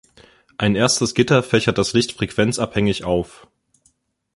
Ein erstes Gitter fächert das Licht frequenzabhängig auf.